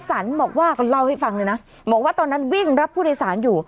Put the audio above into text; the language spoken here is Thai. สรรบอกว่าก็เล่าให้ฟังเลยนะบอกว่าตอนนั้นวิ่งรับผู้โดยสารอยู่